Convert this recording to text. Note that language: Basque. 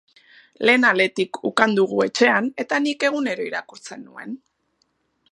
Lehen aletik ukan dugu etxean, eta nik egunero irakurtzen nuen.